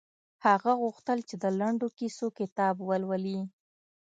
هغه غوښتل چې د لنډو کیسو کتاب ولولي